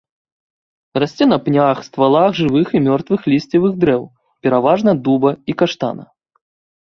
Расце на пнях, ствалах жывых і мёртвых лісцевых дрэў, пераважна дуба і каштана.